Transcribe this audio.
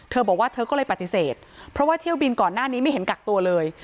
เธอบอกว่าเธอก็เลยปฏิเสธเพราะว่าเที่ยวบินก่อนหน้านี้ไม่เห็นกักตัวเลย